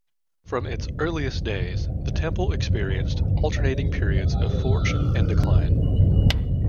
From its earliest days, the temple experienced alternating periods of fortune and decline.